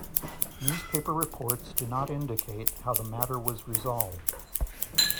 Newspaper reports do not indicate how the matter was resolved.